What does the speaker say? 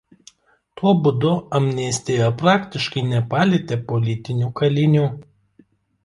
Tuo būdu amnestija praktiškai nepalietė politinių kalinių.